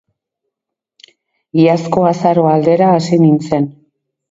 Iazko azaroa aldera hasi nintzen.